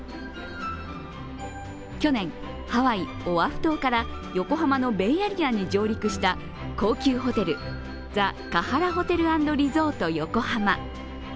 まずはこちら、去年、ハワイ・オアフ島から横浜のベイエリアに上陸した高級ホテルザ・カハラ・ホテル＆リゾート横浜。